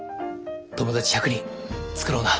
友達１００人作ろうな。